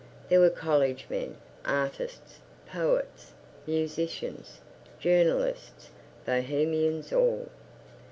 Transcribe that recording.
There were college men, artists, poets, musicians, journalists Bohemians all.